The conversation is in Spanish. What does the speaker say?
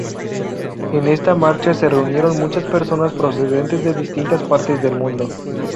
En esta marcha se reunieron muchas personas procedentes de distintas partes del mundo.